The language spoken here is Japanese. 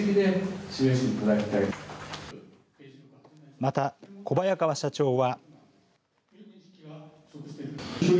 また、小早川社長は。